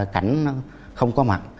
cảnh không có mặt